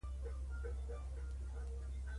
ناجیه د مينې د آلمارۍ پر دروازه یو لوی پوسټر کتل